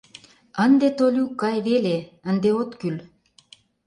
— Ынде, Толюк, кай веле, ынде от кӱл.